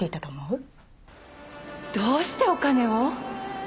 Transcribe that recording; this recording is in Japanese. どうしてお金を？